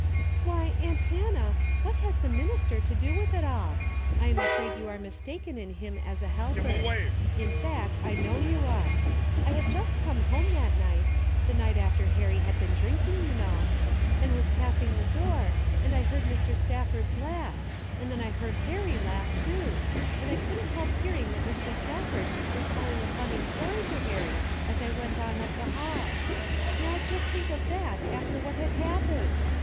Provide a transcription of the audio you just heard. " Why, aunt Hannah, what has the minister to do with it all ? I am afraid you are mis taken in him as a helper. In fact I know you are. I had just come home that night — the night after Harry had been drinking, you know, — and was passing the door, and I heard Mr. Stafford's laugh, and then I heard Harry laugh, too, and I couldn't help hearing that Mr. Stafford was telling a funny story to Harry as I went on up the hall. How just think of that after what had happened.